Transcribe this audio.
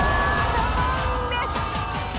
ドボンです。